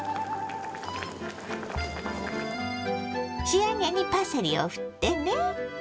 仕上げにパセリをふってね。